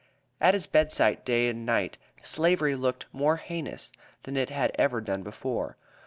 At his bedside, day and night, Slavery looked more heinous than it had ever done before.